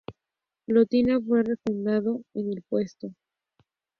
Lotina fue refrendado en el puesto.